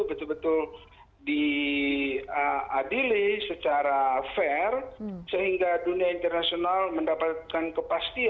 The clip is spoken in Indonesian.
betul betul diadili secara fair sehingga dunia internasional mendapatkan kepastian